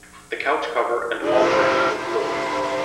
The couch cover and hall drapes were blue.